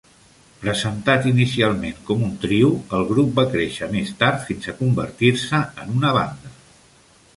Presentat inicialment com un trio, el grup va créixer més tard fins a convertir-se en una banda.